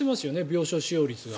病床使用率が。